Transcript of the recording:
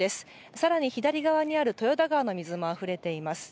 さらに左側にある豊田川の水もあふれています。